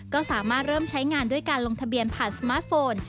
ก็สามารถเริ่มใช้งานด้วยการลงทะเบียนผ่านสมาร์ทโฟน